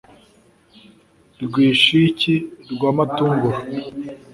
Rwishiki rwa Matunguru